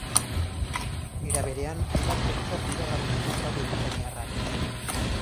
Era berean, hainbat kontzertu iragarri ditu talde britainiarrak.